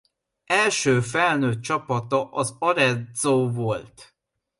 Első felnőtt csapata az Arezzo volt.